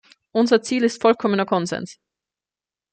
Unser Ziel ist vollkommener Konsens.